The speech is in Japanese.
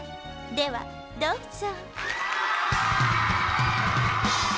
ではどうぞ。